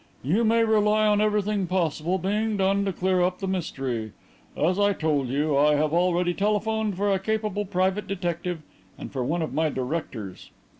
"You may rely on everything possible being done to clear up the mystery. As I told you, I have already telephoned for a capable private detective and for one of my directors."